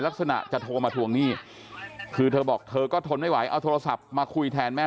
ลักษณะจะโทรมาทวงหนี้คือเธอบอกเธอก็ทนไม่ไหวเอาโทรศัพท์มาคุยแทนแม่